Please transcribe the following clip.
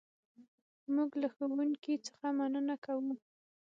موږ له ښوونکي څخه مننه کوو.